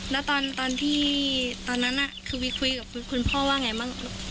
แล้วตอนตอนที่ตอนนั้นน่ะคือวิคุยกับคุณคุณพ่อว่าไงบ้างลูก